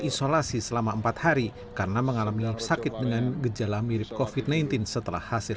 isolasi selama empat hari karena mengalami sakit dengan gejala mirip kofit sembilan belas setelah hasil